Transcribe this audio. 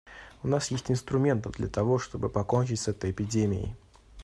У нас есть инструменты для того, чтобы покончить с этой эпидемией.